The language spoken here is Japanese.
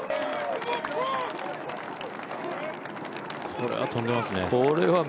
これは飛んでますね。